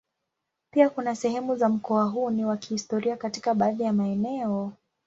Pia kuna sehemu za mkoa huu ni wa kihistoria katika baadhi ya maeneo.